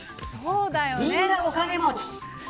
みんなお金持ち。